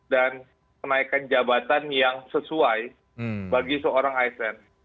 dan kenaikan jabatan yang sesuai bagi seorang asn